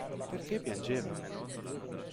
Perché piangeva?